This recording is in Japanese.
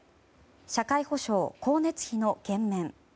社会保障、光熱費の減免。